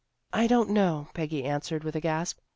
" I don't know," Peggy answered with a gasp.